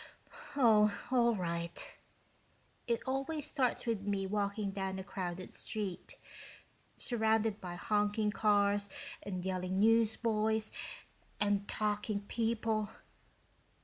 "Oh, all right. It always starts with me walking down a crowded street, surrounded by honking cars and yelling newsboys and talking people.